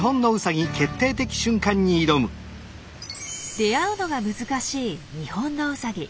出会うのが難しいニホンノウサギ。